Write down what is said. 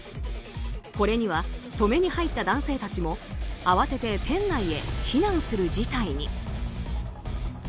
これには止めに入った男性たちも慌てて店内へ避難する事態に。